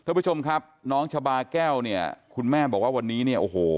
ทุกผู้ชมครับน้องชะบาแก้วคุณแม่บอกว่าวันนี้